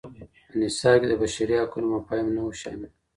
په نصاب کي د بشري حقونو مفاهیم نه وو شامل.